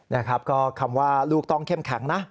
นะครับก็คำว่าลูกต้องเข้มแข็งนะ